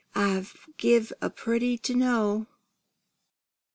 I'd give a pretty to know!"